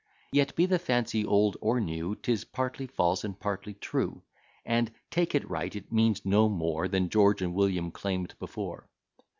Yet, be the fancy old or new, Tis partly false, and partly true: And, take it right, it means no more Than George and William claim'd before.